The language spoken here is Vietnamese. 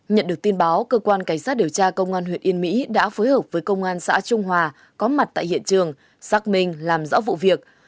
nhận được tin báo cơ quan cảnh sát điều tra công an huyện yên mỹ đã phối hợp với công an xã trung hòa có mặt tại hiện trường xác minh làm rõ vụ việc